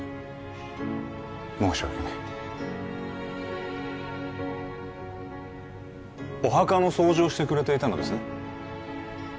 申し訳ないお墓の掃除をしてくれていたのですね